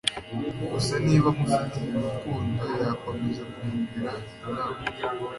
gusa niba amufitiye urukundo yakomeza kumugira inama